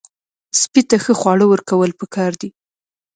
سپي ته ښه خواړه ورکول پکار دي.